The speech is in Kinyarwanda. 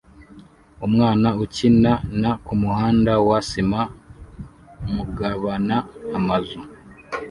Umwana ukina na kumuhanda wa sima mugabana amazu